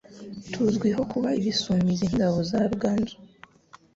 Tuzwiho kuba ibisumizi nk'ingabo za Ruganzu